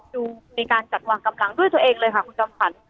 มีการจัดวางกำลังด้วยตัวเองเลยค่ะคุณจำขวัญ